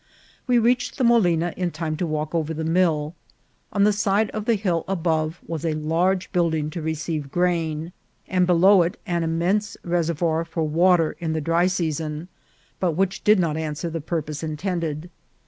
We reached the molina in time to walk over the mill. On the side of the hill above was a large building to receive grain, and be low it an immense reservoir for water in the dry season, but which did not answer the purpose intended.